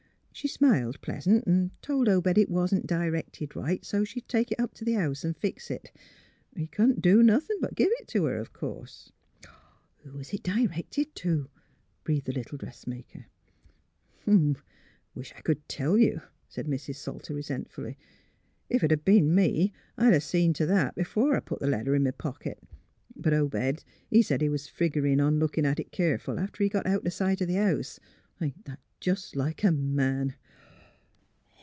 She smiled pleasant, 'n' told Obed it wa'n't directed right, so she'd take it up t' the house an' fix 't. He couldn't do nothin' but give it to her, of course." " Who was it d'rected to? " breathed the little dressmaker. '* I wish 't I c'd tell you," said Mrs. Salter, resentfully. '' Ef it'd been me, I'd 'a' seen t' that b'fore I put th' letter in my pocket. But Obed, he said he was figgerin' on lookin' at it keer ful after he'd got out o' sight o' th' house. Ain't that jes' like a man?